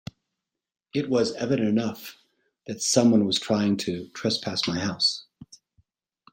It is evident enough that someone was trying to trespass my house.